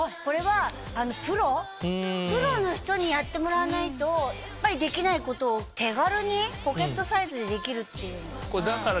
これはあのプロプロの人にやってもらわないとできないことを手軽にポケットサイズでできるっていうのが。